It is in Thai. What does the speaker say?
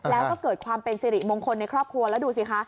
แล้วก็เกิดความเป็นสิริมงคลในครอบครัวแล้วดูสิคะ